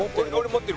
持ってる。